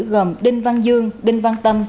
gồm đinh văn dương đinh văn tâm